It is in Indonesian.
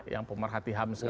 yang pemerhati ham